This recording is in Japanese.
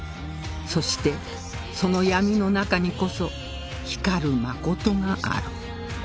そしてその闇の中にこそ光る真がある